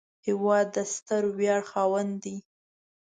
هېواد د ستر ویاړ خاوند دی